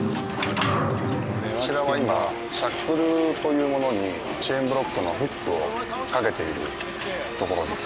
こちらは今シャックルというものにチェーンブロックのフックを掛けているところです。